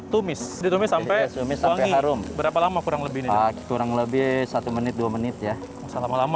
tumis ditumis sampai harum berapa lama kurang lebih kurang lebih satu menit dua menit ya masa lama lama